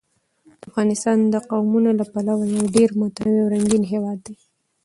افغانستان د قومونه له پلوه یو ډېر متنوع او رنګین هېواد دی.